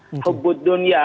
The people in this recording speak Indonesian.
dan kita bisa menguasai dunia